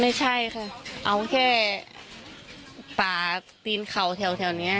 ไม่ใช่ค่ะเอาแค่ป่าตีนเข่าแถวนี้